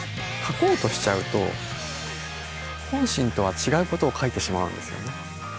書こうとしちゃうと本心とは違うことを書いてしまうんですよね。